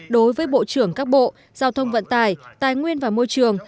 đối với bộ trưởng các bộ giao thông vận tài tài nguyên và môi trường